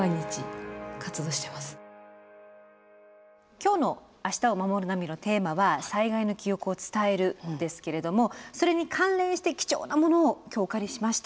今日の「明日をまもるナビ」のテーマは「災害の記憶を伝える」ですけれどもそれに関連して貴重なものを今日お借りしました。